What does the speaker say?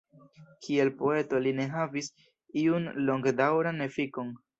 Kiel poeto li ne havis iun longdaŭran efikon.